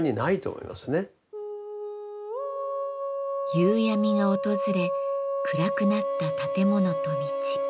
夕闇が訪れ暗くなった建物と道。